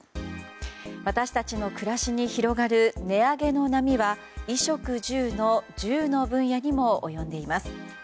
私たちの暮らしに広がる値上げの波は衣食住の住の分野にも及んでいます。